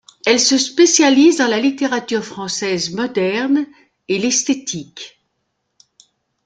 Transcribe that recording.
Elle se spécialise dans la littérature française moderne et l'esthétique.